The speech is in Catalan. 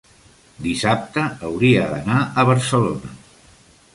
dissabte hauria d'anar a Barcelona.